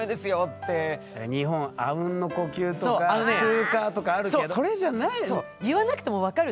日本あうんの呼吸とかツーカーとかあるけどそれじゃない。